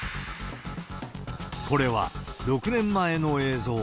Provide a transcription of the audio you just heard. これは６年前の映像。